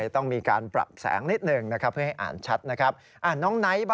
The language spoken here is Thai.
ต้องมีการปรับแสงนิดหนึ่งนะครับเพื่อให้อ่านชัดนะครับ